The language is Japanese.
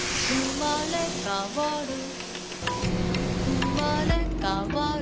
「うまれかわる」